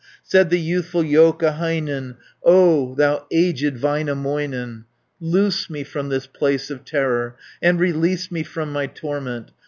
Said the youthful Joukahainen, "O thou aged Väinämöinen, Loose me from this place of terror, And release me from my torment.